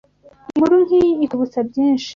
Inkuru nk’iyi ikwibutsa byinshi